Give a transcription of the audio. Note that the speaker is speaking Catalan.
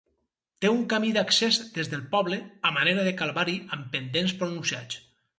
Té un camí d'accés des del poble, a manera de calvari amb pendents pronunciats.